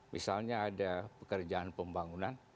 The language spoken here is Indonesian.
misalnya ada pekerjaan pembangunan